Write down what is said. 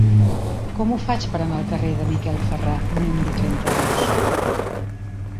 Com ho faig per anar al carrer de Miquel Ferrà número trenta-dos?